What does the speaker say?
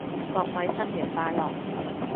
各位新年快樂